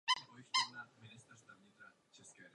V současné době je částí městského obvodu Slezská Ostrava.